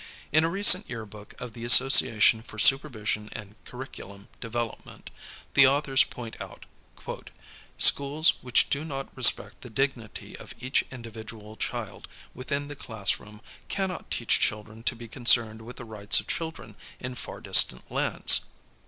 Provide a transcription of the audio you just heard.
In a recent yearbook of the Association for Supervision and Curriculum Development, the authors point out, "Schools which do not respect the dignity of each individual child within the classroom cannot teach children to be concerned with the rights of people in far distant lands."'